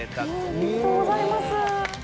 おめでとうございます。